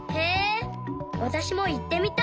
わたしもいってみたい！